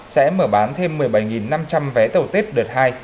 sẽ mở bán thêm một mươi bảy năm trăm linh vé tàu tết đợt hai